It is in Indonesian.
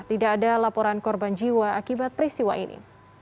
tidak ada laporan korban jiwa akibat peristiwa ini